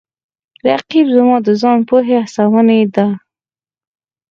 رقیب زما د ځان پوهې هڅوونکی دی